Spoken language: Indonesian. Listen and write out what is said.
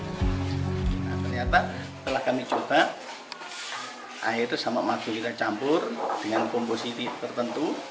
ternyata telah kami coba air sama madu kita campur dengan kompositi tertentu